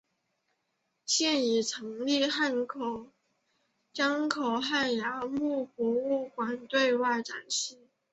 现已成立江口汉崖墓博物馆对外展示。